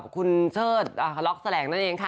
คุณเชิดล็อกแสลงนั่นเองค่ะ